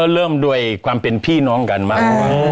เริ่มด้วยความเป็นพี่น้องกันบ้าง